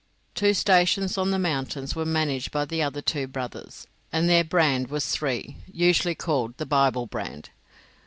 Two stations on the mountains were managed by the other two brothers, and their brand was III., usually called "the Bible brand."